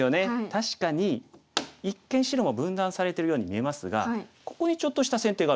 確かに一見白も分断されてるように見えますがここにちょっとした先手があるんです。